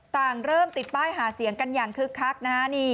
ต่างเริ่มติดป้ายหาเสียงกันอย่างคึกคักนะฮะ